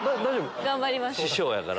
頑張ります。